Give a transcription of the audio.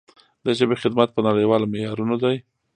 د ژبې خدمت په نړیوالو معیارونو دی.